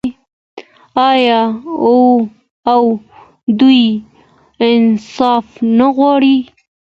آیا او دوی انصاف نه غواړي؟